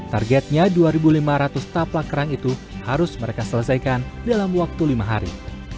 targetnya dua lima ratus taplak kerang itu harus mereka selesaikan dalam waktu lima hari